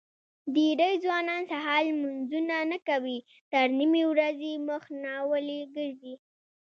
دېری ځوانان سهار لمنځونه نه کوي تر نیمې ورځې مخ ناولي ګرځي.